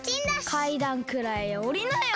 かいだんくらいおりなよ。